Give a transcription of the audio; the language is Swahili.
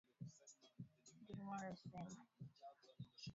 Eamon Gilmore alisema ameelezea wasiwasi wa umoja huo,